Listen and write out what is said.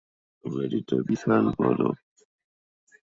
বাড়িটা বিশাল বড়।